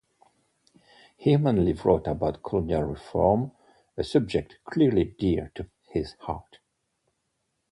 He mainly wrote about colonial reform, a subject clearly dear to his heart.